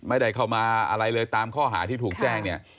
ไม่ได้เข้ามาอะไรเลยตามข้อหาที่ถูกแจ้งเนี่ย